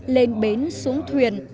lên bến xuống thuyền